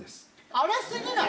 あれすぎない？